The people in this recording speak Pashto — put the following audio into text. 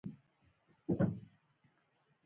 ژوندي له ژوند سره ژمن وي